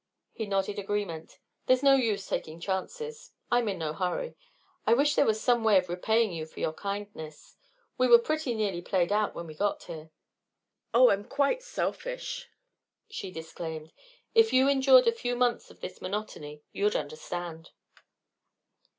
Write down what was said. He nodded agreement. "There's no use taking chances. I'm in no hurry. I wish there was some way of repaying you for your kindness. We were pretty nearly played out when we got here." "Oh, I'm quite selfish," she disclaimed. "If you endured a few months of this monotony, you'd understand."